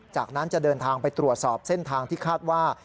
จากนั้นจะเดินทางไปตรวจสอบเส้นทางที่คาดว่า